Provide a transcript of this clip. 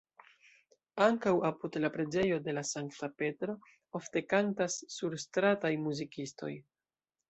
Ankaŭ apud la preĝejo de la sankta Petro ofte kantas surstrataj muzikistoj.